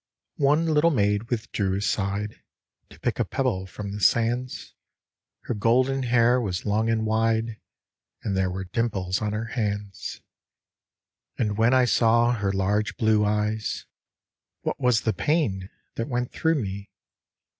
One little maid withdrew aside To pick a pebble from the sands. Her golden hair was long and wide, And there were dimples on her hands. io8 THE SISTER 109 And when I saw her large blue eyes, What was the pain that went thro' me?